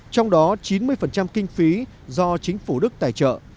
trong đó chín mươi kinh phí do chính phủ đức tài trợ